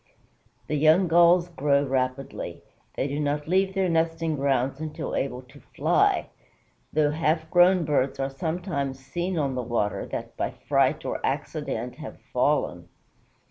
The young Gulls grow rapidly. They do not leave their nesting grounds until able to fly, though, half grown birds are sometimes seen on the water that by fright or accident have fallen.